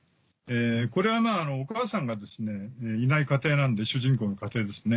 これはお母さんがですねいない家庭なんで主人公の家庭ですね。